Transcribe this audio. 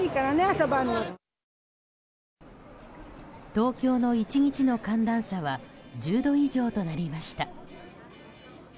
東京の１日の寒暖差は１０度以上となりました。